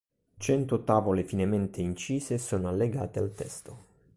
Cento tavole finemente incise sono allegate al testo.